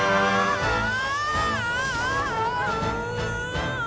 ああ！